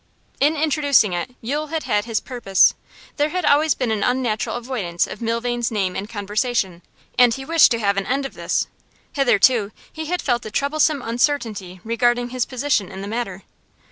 In introducing it Yule had had his purpose; there had always been an unnatural avoidance of Milvain's name in conversation, and he wished to have an end of this. Hitherto he had felt a troublesome uncertainty regarding his position in the matter.